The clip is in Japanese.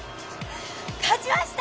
勝ちました！